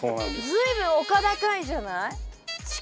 随分丘高いじゃない。